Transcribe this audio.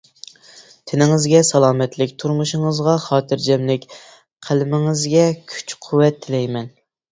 تېنىڭىزگە سالامەتلىك، تۇرمۇشىڭىزغا خاتىرجەملىك، قەلىمىڭىزگە كۈچ-قۇۋۋەت تىلەيمەن.